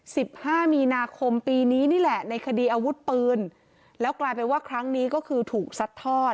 สิบห้ามีนาคมปีนี้นี่แหละในคดีอาวุธปืนแล้วกลายเป็นว่าครั้งนี้ก็คือถูกซัดทอด